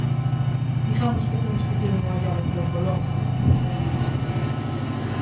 Digamos que temos que ter unha ollada un pouco longa, non?